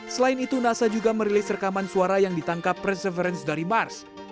selain itu nasa juga merilis rekaman suara yang ditangkap reserverence dari mars